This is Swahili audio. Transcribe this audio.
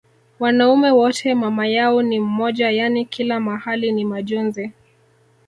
wanaume wote mamayao ni mmoja yani kila mahali ni majonzi